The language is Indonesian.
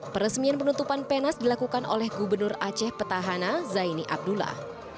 peresmian penutupan penas dilakukan oleh gubernur aceh petahana zaini abdullah